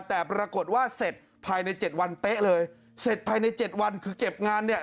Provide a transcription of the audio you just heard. แต่ปรากฏว่าเสร็จภายในเจ็ดวันเป๊ะเลยเสร็จภายในเจ็ดวันคือเก็บงานเนี่ย